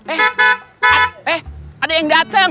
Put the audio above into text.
eh eh eh ada yang dateng